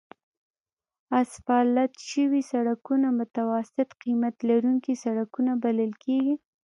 اسفالت شوي سړکونه متوسط قیمت لرونکي سړکونه بلل کیږي